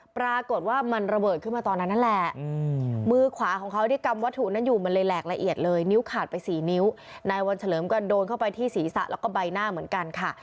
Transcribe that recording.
ปรากฏว่ามันระเบิดขึ้นมาตอนนั้นแหละ